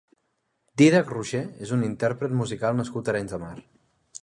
Dídac Rocher és un intérpret musical nascut a Arenys de Mar.